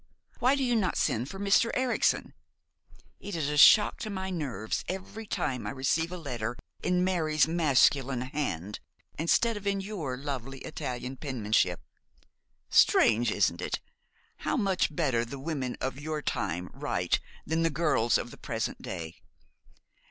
Why do you not send for Mr. Erichsen? It is a shock to my nerves every time I receive a letter in Mary's masculine hand, instead of in your lovely Italian penmanship. Strange isn't it? how much better the women of your time write than the girls of the present day!